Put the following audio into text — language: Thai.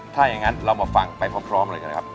ถ้าอย่างนั้นเรามาฟังไปพร้อมเลยกันนะครับ